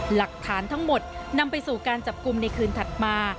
หลักฐานทั้งหมดนำไปสู่การจับกลุ่มในคืนถัดมา